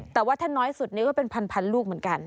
แต่ว่าถ้าน้อยสุดนี่ก็เป็นพันลูกเหมือนกัน